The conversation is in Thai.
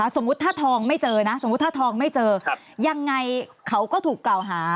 สมมุติถ้าทองไม่เจอยังไงเขาก็ถูกกล่าวหา